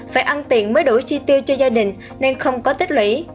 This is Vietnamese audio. phải ăn tiền mới đủ chi tiêu cho gia đình nên không có tích lũy